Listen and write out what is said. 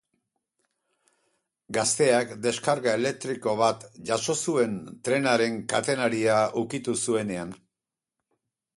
Gazteak deskarga elektriko bat jaso zuen trenaren katenaria ukitu zuenean.